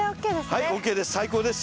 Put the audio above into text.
はいＯＫです。